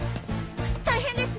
大変です！